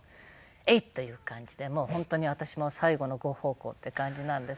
えいっ！という感じでもう本当に私も最後のご奉公って感じなんですけども。